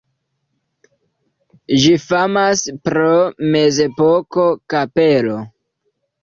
Ĝi famas pro mezepoka kapelo.